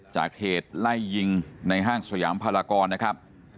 จากเหตุไล่ยิงในห้างสยามพลากรนะครับ